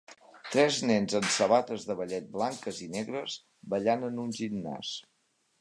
Tres nens amb sabates de ballet blanques i negres ballant en un gimnàs